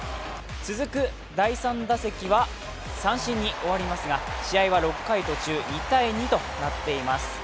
続く第３打席は三振に終わりますが試合は６回途中、１−２となっています。